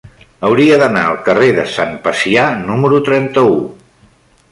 Hauria d'anar al carrer de Sant Pacià número trenta-u.